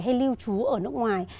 hay lưu trú ở nước ngoài